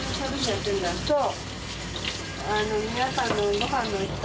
そう。